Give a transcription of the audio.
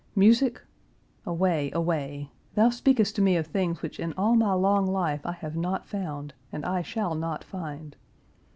Music? Away, away! Thou speakest to me of things which in all my long life I have not found, and I shall not find.